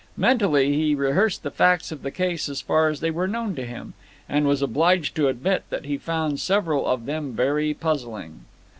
Mentally he rehearsed the facts of the case as far as they were known to him, and was obliged to admit that he found several of them very puzzling.